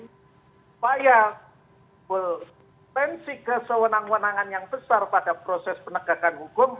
supaya tensi kesewenang wenangan yang besar pada proses penegakan hukum